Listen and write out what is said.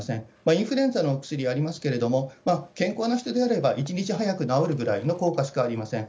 インフルエンザのお薬ありますけれども、健康な人であれば１日早く治るぐらいの効果しかありません。